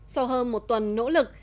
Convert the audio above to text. sau hơn một tuần nỗ lực